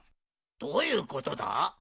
どういうことだ？